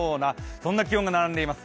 そんな気温が並んでいます。